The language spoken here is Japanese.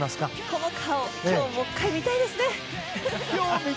この顔今日もう１回みたいですね。